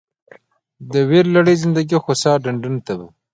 د ویرلړلې زندګي خوسا ډنډونو ته به